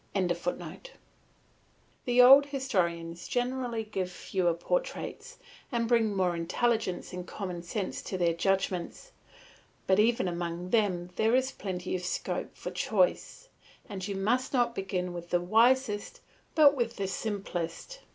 ] The old historians generally give fewer portraits and bring more intelligence and common sense to their judgments; but even among them there is plenty of scope for choice, and you must not begin with the wisest but with the simplest.